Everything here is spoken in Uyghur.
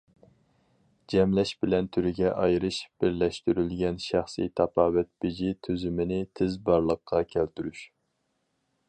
جەملەش بىلەن تۈرگە ئايرىش بىرلەشتۈرۈلگەن شەخسىي تاپاۋەت بېجى تۈزۈمىنى تېز بارلىققا كەلتۈرۈش.